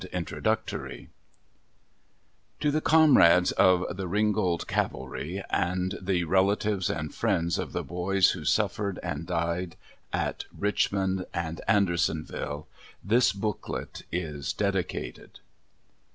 Sept 26, 1900 _To the comrades of the Ringgold Cavalry and the relatives and friends of the boys who suffered and died at Richmond and Andersonville, this booklet is dedicated.